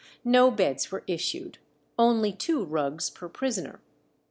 No beds were issued, only two rugs per prisoner.